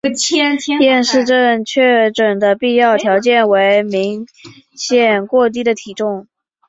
厌食症确诊的必要条件为明显过低的体重。